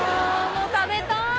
もう食べたい。